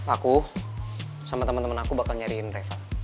aku sama temen temen aku bakal nyariin refah